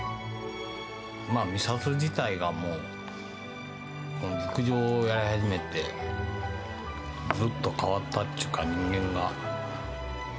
美里自体がもう、陸上をやり始めて、ぐるっと変わったというか、人間が。